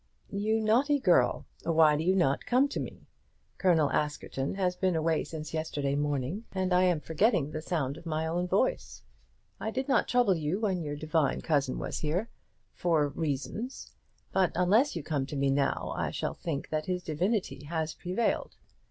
"You naughty girl, why do you not come to me? Colonel Askerton has been away since yesterday morning, and I am forgetting the sound of my own voice. I did not trouble you when your divine cousin was here, for reasons; but unless you come to me now I shall think that his divinity has prevailed.